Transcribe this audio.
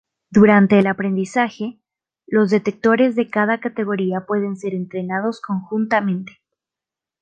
Durante el aprendizaje, los detectores de cada categoría pueden ser entrenados conjuntamente.